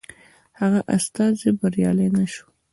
هغه استازی بریالی نه شو.